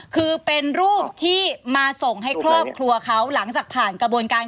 คือเป็นรูปที่มาส่งให้ครอบครัวเขาหลังจากผ่านกระบวนการ